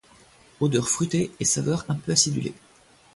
Odeur fruitée et saveur un peu acidulée.